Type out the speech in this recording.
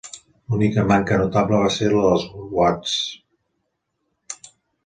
L'única manca notable va ser la dels Wasps.